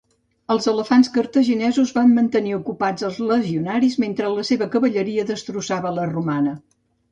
Els elefants cartaginesos van mantenir ocupats els legionaris mentre la seva cavalleria destrossava la romana.